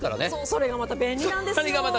それがまた便利なんですよ。